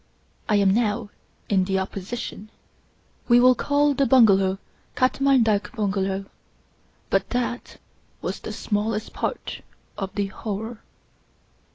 I am now in the Opposition. We will call the bungalow Katmal dak bungalow. But that was the smallest part of the horror.